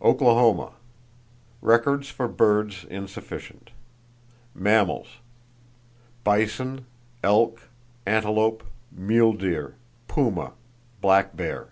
Oklahoma: Records for birds insufficient. Mammals: bison, elk, antelope, mule deer, puma, black bear.